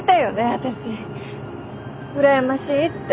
私羨ましいって。